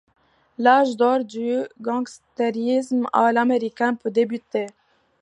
L’âge d’or du gangstérisme à l’américaine peut débuter.